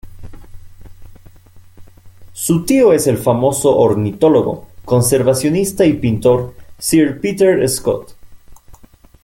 Su tío es el famoso ornitólogo, conservacionista y pintor, Sir Peter Scott.